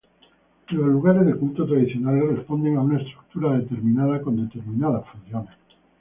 En los lugares de culto tradicionales responden a una estructura determinada con determinadas funciones.